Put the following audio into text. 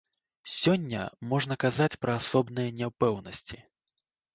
Сёння можна казаць пра асобныя няпэўнасці.